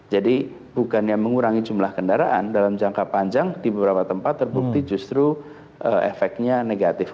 jadi bukannya mengurangi jumlah kendaraan dalam jangka panjang di beberapa tempat terbukti justru efeknya negatif